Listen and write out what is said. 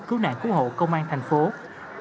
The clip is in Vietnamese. cứu nạn cứu hộ công an tp hcm